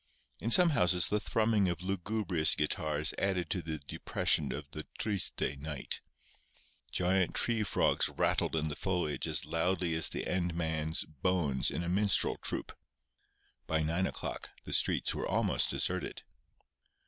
In some houses the thrumming of lugubrious guitars added to the depression of the triste night. Giant tree frogs rattled in the foliage as loudly as the end man's "bones" in a minstrel troupe. By nine o'clock the streets were almost deserted.